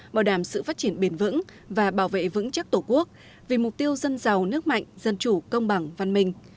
bảo đảm sự phát triển bền vững và bảo vệ vững chắc tổ quốc vì mục tiêu dân giàu nước mạnh dân chủ công bằng văn minh